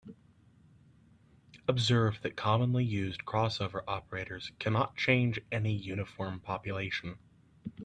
Observe that commonly used crossover operators cannot change any uniform population.